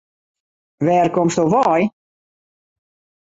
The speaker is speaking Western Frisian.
Wêr komsto wei?